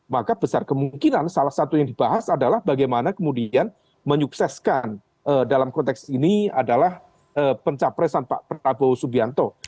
maka besar kemungkinan salah satu yang dibahas adalah bagaimana kemudian menyukseskan dalam konteks ini adalah pencapresan pak prabowo subianto